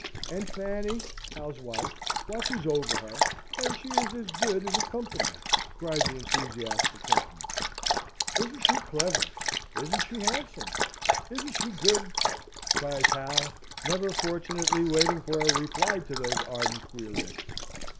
"And Fanny" (Hal's wife) "watches over her, and she is as good as a company!" cried the enthusiastic husband. "Isn't she clever? Isn't she handsome? Isn't she good?" cries Hal, never, fortunately, waiting for a reply to these ardent queries.